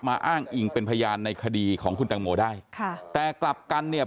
อ้างอิงเป็นพยานในคดีของคุณตังโมได้ค่ะแต่กลับกันเนี่ย